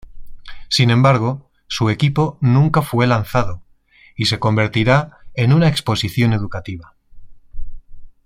Sin embargo, su equipo nunca fue lanzado y se convertirá en una exposición educativa.